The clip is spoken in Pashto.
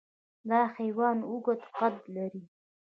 دا حیوان اوږده قد لري.